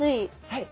はい。